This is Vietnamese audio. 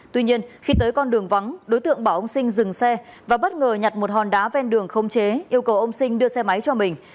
tuy nhiên khi tới con đường vắng đối tượng bảo ông sinh dừng xe và bất ngờ nhặt một hòn đá ven đường không chế yêu cầu ông sinh đưa xe máy cho mình